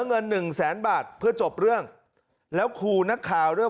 เงินหนึ่งแสนบาทเพื่อจบเรื่องแล้วขู่นักข่าวด้วย